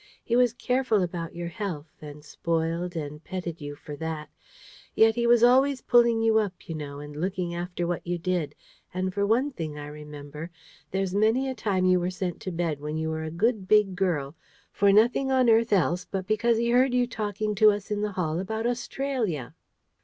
He was careful about your health, and spoiled and petted you for that; yet he was always pulling you up, you know, and looking after what you did: and for one thing, I remember, there's many a time you were sent to bed when you were a good big girl for nothing on earth else but because he heard you talking to us in the hall about Australia."